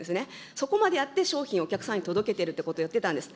そこまでやって商品をお客さんに届けてるということをやってたんです。